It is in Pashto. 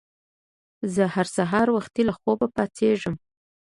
زه هر سهار وختي له خوبه پاڅیږم.